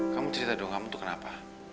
kamu cerita dong kamu tuh kenapa